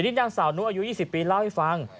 ที่ด้านสาวนู่่อายุยี่สิบปีเล่าให้ฟัง